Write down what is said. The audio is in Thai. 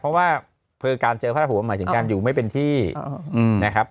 เพราะว่าคือการเจอพระราหูหมายถึงการอยู่ไม่เป็นที่นะครับ